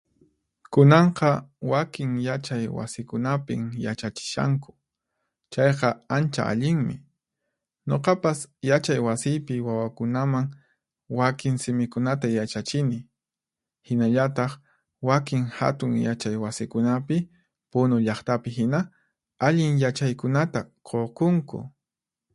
Kunanqa wakin yachay wasikunapin yachachishanku, chayqa ancha allinmi. Nuqapas Yachay Wasiypi wawakunaman wakin simikunata yachachini. Hinallataq, wakin Hatun Yachay Wasikunapi, Punu llaqtapi hina, allin yachaykunata qukunku.